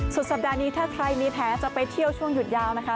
สุดสัปดาห์นี้ถ้าใครมีแผลจะไปเที่ยวช่วงหยุดยาวนะคะ